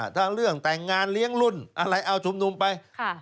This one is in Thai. ทั้งเรื่องแต่งงานเลี้ยงรุ่นอะไรเอาชุมนุมไป